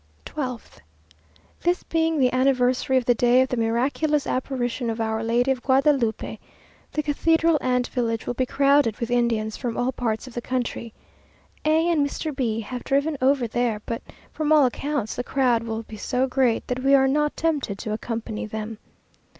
12th. This being the anniversary of the day of the miraculous apparition of our Lady of Guadalupe, the cathedral and village will be crowded with Indians from all parts of the country. A and Mr. B have driven over there; but, from all accounts, the crowd will be so great, that we are not tempted to accompany them.